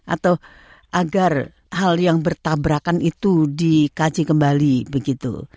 atau agar hal yang bertabrakan itu dikaji kembali begitu